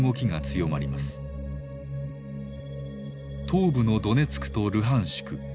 東部のドネツクとルハンシク。